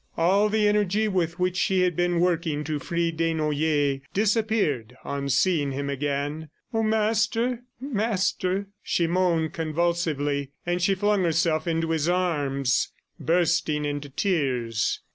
All the energy with which she had been working to free Desnoyers disappeared on seeing him again. "Oh, Master ... Master," she moaned convulsively; and she flung herself into his arms, bursting into tears.